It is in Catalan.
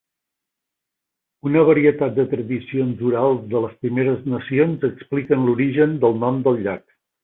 Una varietat de tradicions orals de les Primeres Nacions expliquen l'origen del nom del llac.